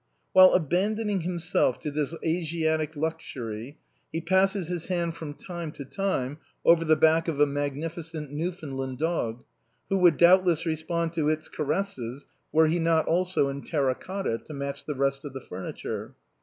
While abandon ing himself to this Asiatic luxury, he passes his hand from time to time over the back of a magnificent Newfoundland dog, who would doubtless respond to its caresses were he not also in terra cotta, to match the rest of the furniture.